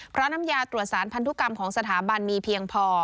เพราะน้ำยาตรวจสารพันธุกรรมของสถาบันมีเพียงพอ